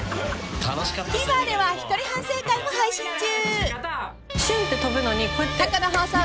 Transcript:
［ＴＶｅｒでは一人反省会も配信中］